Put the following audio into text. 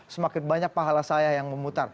semakin banyak pahala saya yang memutar